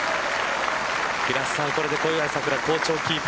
これで小祝さくら好調キープ。